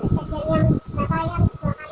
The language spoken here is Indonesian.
di bukur pernah orang ditendang aja pernah